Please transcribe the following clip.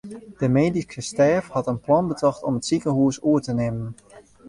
De medyske stêf hat in plan betocht om it sikehûs oer te nimmen.